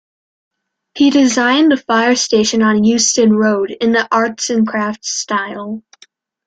He designed the fire station on Euston Road, in the "Arts and Crafts" style.